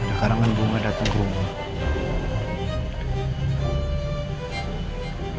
ada karangan bunga datang ke rumah